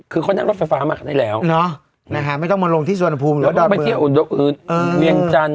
คือเขานั่งรถไฟฟ้ามาได้แล้วนะฮะไม่ต้องมาลงที่สนภูมิหรือดอดเบือดเดี๋ยวเอาอุดอุดเหมือนตัน